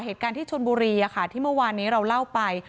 เหตุการณ์ที่ชนบุรีที่เมื่อวานนี้เราเล่าไป